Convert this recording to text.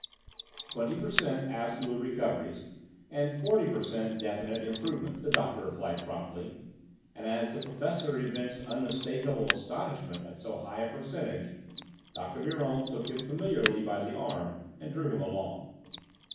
"Twenty per cent absolute recoveries, and forty per cent definite improvements," the doctor replied promptly, and as the Professor evinced unmistakable astonishment at so high a percentage, Dr. Biron took him familiarly by the arm and drew him along.